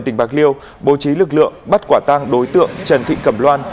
tỉnh bạc liêu bố trí lực lượng bắt quả tăng đối tượng trần thị cẩm loan